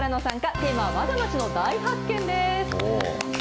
テーマは、わが町の大発見です。